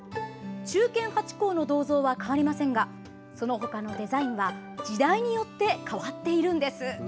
忠犬ハチ公の銅像は変わりませんがそのほかのデザインは時代によって変わっているんです。